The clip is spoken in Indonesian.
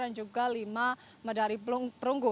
dan juga lima medali perunggu